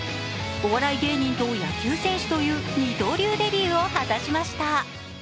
お笑い芸人と野球選手という二刀流デビューを果たしました。